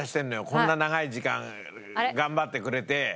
こんな長い時間頑張ってくれて。